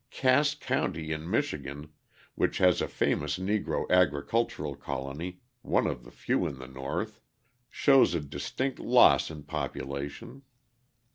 Cass County in Michigan, which has a famous Negro agricultural colony one of the few in the North shows a distinct loss in population.